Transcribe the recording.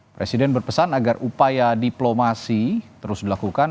presiden berpesan agar upaya diplomasi terus dilakukan